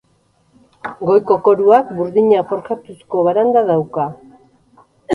Goiko koruak burdina forjatuzko baranda dauka.